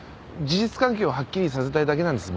事実関係をはっきりさせたいだけなんです。